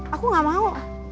aku gak mau